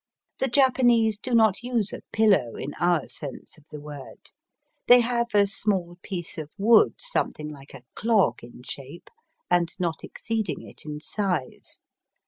The Japanese do not use a pillow in our sense of the word. They have a small piece of wood something like a clog in shape, and not exceeding it in size.